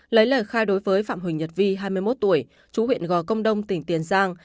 lấy lời khai đối với phạm huỳnh nhật vi hai mươi một tuổi chú huyện gò công đông tỉnh tiền giang